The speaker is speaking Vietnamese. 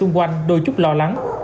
những người xung quanh đôi chút lo lắng